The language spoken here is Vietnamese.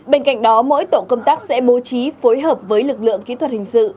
bên cạnh đó mỗi tổ công tác sẽ bố trí phối hợp với lực lượng kỹ thuật hình sự